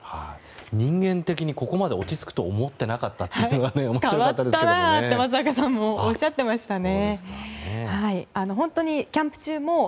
人間的にここまで落ち着くと思っていなかったというのが変わったな！と松坂さんもおっしゃっていましたね。